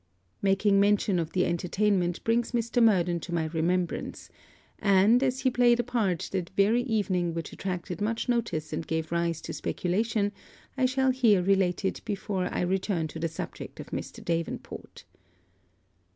Making mention of the entertainment brings Mr. Murden to my remembrance; and, as he played a part that very evening which attracted much notice and gave rise to speculation, I shall here relate it before I return to the subject of Mr. Davenport.